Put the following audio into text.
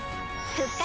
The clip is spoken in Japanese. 復活！